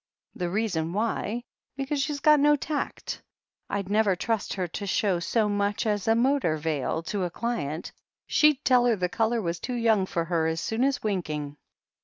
The reason why, because she's got no tact. I'd never trust her to show so much as a motor veil to a client — ^she'd tell her the colour was too young for her, as soon as winking.